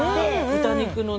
豚肉のね。